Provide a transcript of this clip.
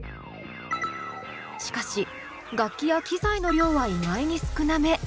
しかし楽器や機材の量は意外に少なめ。